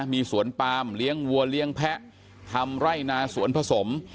มีสวนปามเลี้ยงวัวเลี้ยงแพะทำไร่นาสวนผสม